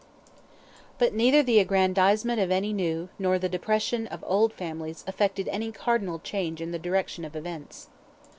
But neither the aggrandizement of new nor the depression of old families effected any cardinal change in the direction of events.